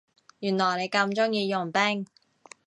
原來你咁鍾意傭兵